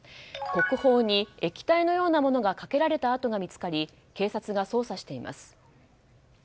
国宝に液体のようなものがかけられた跡が見つかり警察が捜査しています。